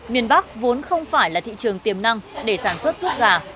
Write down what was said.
miền bắc vốn không phải là thị trường tiềm năng để sản xuất rút gà